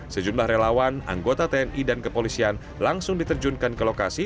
sejumlah relawan anggota tni dan kepolisian langsung diterjunkan ke lokasi